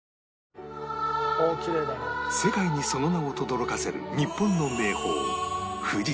世界にその名をとどろかせる日本の名峰